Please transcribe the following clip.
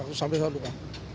sampai saat lupa